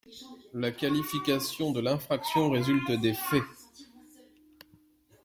La qualification de l'infraction résulte des faits.